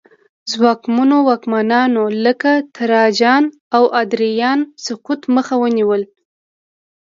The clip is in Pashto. ځواکمنو واکمنانو لکه تراجان او ادریان سقوط مخه ونیوله